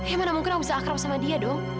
ya mana mungkin aku bisa akrab sama dia dong